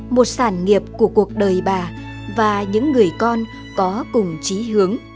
một sản nghiệp của cuộc đời bà và những người con có cùng trí hướng